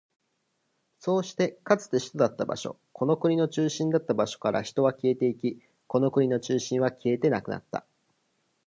そうして、かつて首都だった場所、この国の中心だった場所から人は消えていき、この国の中心は消えてなくなった。